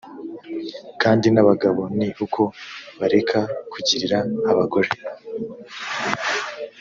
kandi n abagabo ni uko bareka kugirira abagore